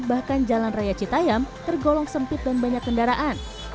bahkan jalan raya citayam tergolong sempit dan banyak kendaraan